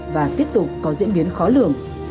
và tiếp tục có diễn biến khó lường